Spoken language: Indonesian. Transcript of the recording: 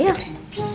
ini saya kesini